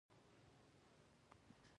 د رحمت څاڅکي دې په دې ځمکه باندې وکره.